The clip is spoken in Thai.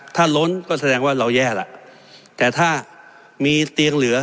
ถ้าล้นก็แสดงว่าเราแย่ล่ะแต่ถ้ามีเตียงเหลือ